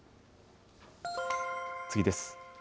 次です。